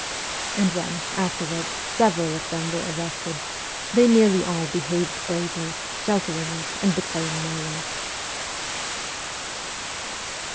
And when, afterward, several of them were arrested, they nearly all behaved bravely, sheltering us and betraying no one.